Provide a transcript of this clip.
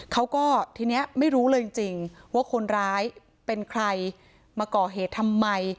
เขาก็ทีนี้ไม่รู้เลยจริงว่าคนร้ายเป็นใครมาก่อเหตุทำไม